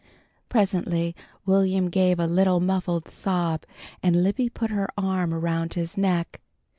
Presently Will'm gave a little muffled sob and Libby put her arm around his neck.